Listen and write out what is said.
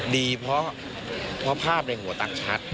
ดีเพราะภาพในหัวตักชัด